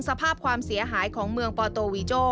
สภาพความเสียหายของเมืองปอโตวีโจ้